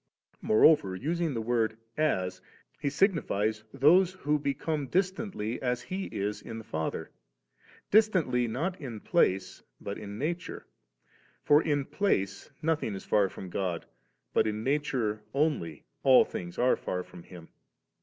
* Moreover, using the word ' as,' He signi fies those who become distantly as He is in the Father; distantly not in place but in nature; for in place nothing is far from God 9, but in nature only all tilings are far from Him.